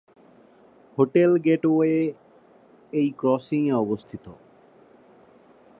Hotel gateway এই ক্রসিং-এ অবস্থিত।